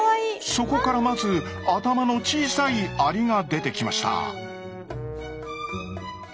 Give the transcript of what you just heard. そこからまず頭の小さいアリが出てきました。